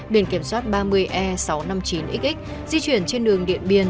biển kiểm soát ba mươi e sáu trăm năm mươi chín xx di chuyển trên đường điện biên